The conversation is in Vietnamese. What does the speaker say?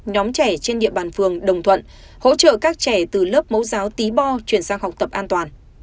nhóm trẻ trên địa bàn phường đồng thuận hỗ trợ các trẻ từ lớp mẫu giáo tí bo chuyển sang học tập an toàn